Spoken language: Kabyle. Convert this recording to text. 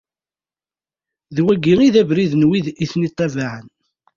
D wagi i d abrid n wid i ten-ittabaɛen.